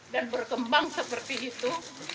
dan berkembang seperti itu